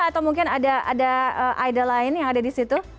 atau mungkin ada idol lain yang ada disitu